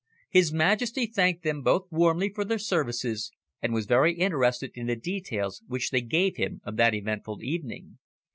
His Majesty thanked them both warmly for their services, and was very interested in the details which they gave him of that eventful evening.